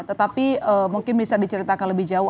tetapi mungkin bisa diceritakan lebih jauh